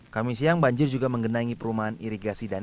kamis siang banjir juga menggenangi perumahan irigasi danita